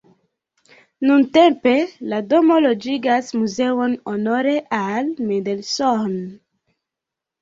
Nuntempe la domo loĝigas muzeon honore al Mendelssohn.